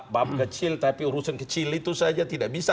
bab kecil tapi urusan kecil itu saja tidak bisa